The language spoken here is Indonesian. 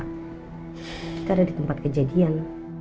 kita ada di tempat kejadian